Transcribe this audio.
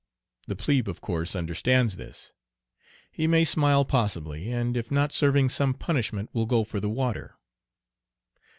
The plebe of course understands this. He may smile possibly, and if not serving some punishment will go for the water.